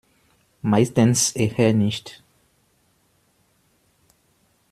Meistens eher nicht.